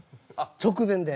直前で。